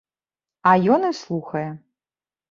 А ён і слухае.